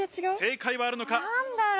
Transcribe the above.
正解はあるのか？